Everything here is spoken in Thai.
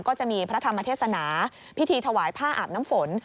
ก็จะมีพระธรรมเทศนาพิธีถวายผ้าอาบน้ำฝน